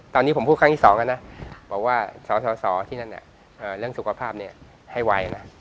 ตอนนี้ผมพูดครั้งที่๒กันนะบอกว่าสที่นั่นเนี่ยเรื่องสุขภาพเนี่ยให้ว่ายนะ